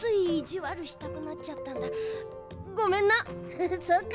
フフッそうか。